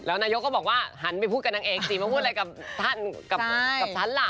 นายกก็บอกว่าหันไปพูดกับนางเอกสิมาพูดอะไรกับท่านกับฉันล่ะ